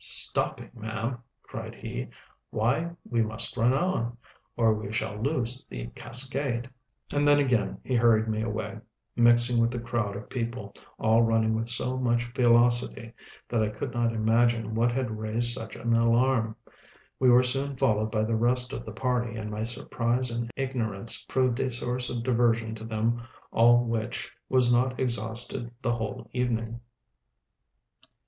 "Stopping, ma'am!" cried he, "why, we must run on, or we shall lose the cascade!" And then again he hurried me away, mixing with a crowd of people, all running with so much velocity that I could not imagine what had raised such an alarm. We were soon followed by the rest of the party; and my surprise and ignorance proved a source of diversion to them all which was not exhausted the whole evening.